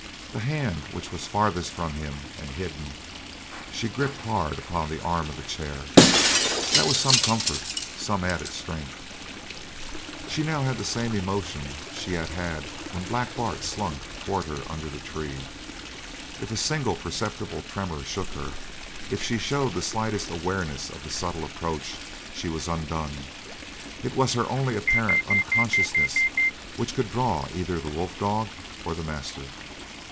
The hand which was farthest from him, and hidden, she gripped hard upon the arm of the chair. That was some comfort, some added strength. She had now the same emotion she had had when Black Bart slunk towards her under the tree if a single perceptible tremor shook her, if she showed the slightest awareness of the subtle approach, she was undone. It was only her apparent unconsciousness which could draw either the wolf dog or the master.